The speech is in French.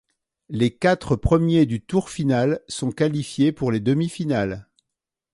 Les quatre premiers du tour final sont qualifiés pour les demi-finales.